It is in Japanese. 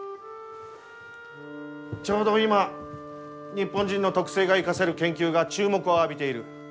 ちょうど今日本人の特性が生かせる研究が注目を浴びている。